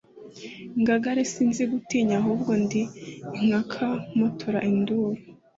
Ingangare sinzi gutinya ahubwo ndi inkaka mpotora induru